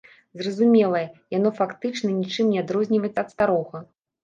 Зразумелае, яно фактычна нічым не адрозніваецца ад старога.